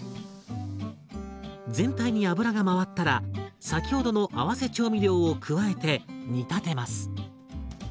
全体に油が回ったら先ほどの合わせ調味料を加えて煮立てます。